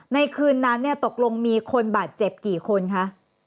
ในคืนนั้นเนี่ยตกลงมีคนบาดเจ็บกี่คนคะ